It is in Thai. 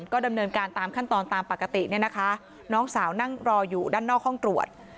ก็ดำเนินการตามขั้นตอนตามปกติเนี่ยนะคะน้องสาวนั่งรออยู่ด้านนอกห้องตรวจ